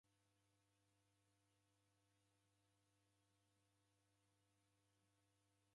Mwaka ghusirie ghorekurishwa ni saka ya Korona.